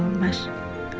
mas aku pernahashi maét